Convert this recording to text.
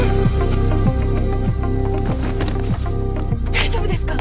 大丈夫ですか？